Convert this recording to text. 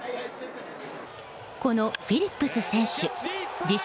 このフィリップス選手自称